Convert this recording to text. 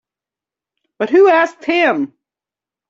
But who asked him?